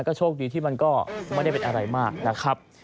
ก็โชคดีที่มันก็ไม่ได้เป็นอะไรมากนะครับ